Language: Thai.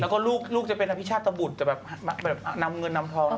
แล้วก็ลูกจะเป็นอภิชาตะบุตรจะแบบนำเงินนำทอง